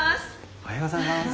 おはようございます。